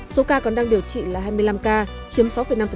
số ca còn đang điều trị là hai mươi năm ca chiếm sáu năm